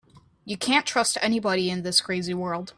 You can't trust anybody in this crazy world.